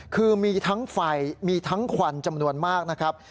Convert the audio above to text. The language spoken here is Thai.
คือมีทั้งไฟมีทั้งควันจำนวนมากนะครับ